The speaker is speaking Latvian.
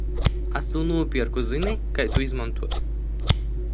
Es to nopirku Zini, kā to izmantot?